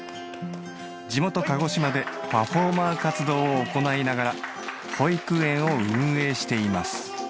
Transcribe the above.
地元鹿児島でパフォーマー活動を行いながら保育園を運営しています